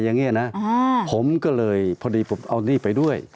ตั้งแต่เริ่มมีเรื่องแล้ว